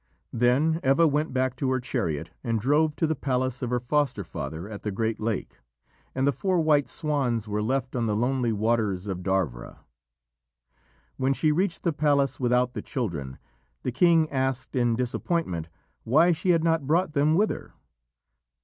Then Eva went back to her chariot and drove to the palace of her foster father at the Great Lake, and the four white swans were left on the lonely waters of Darvra. When she reached the palace without the children, the king asked in disappointment why she had not brought them with her.